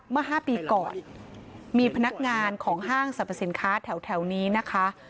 เมื่อ๕ปีก่อนมีพนักงานของห้างสรรพสินค้าแถวนี้นะคะ